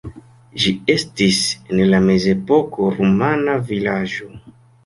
Ĝi estis en la mezepoko rumana vilaĝo.